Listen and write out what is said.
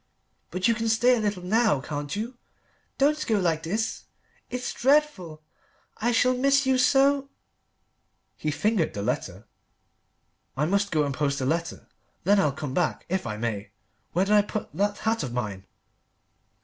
"But you can stay a little now, can't you? Don't go like this. It's dreadful. I shall miss you so " He fingered the letter. "I must go and post a letter; then I'll come back, if I may. Where did I put that hat of mine?"